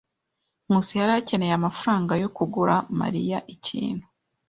Nkusi yari akeneye amafaranga yo kugura Mariya ikintu.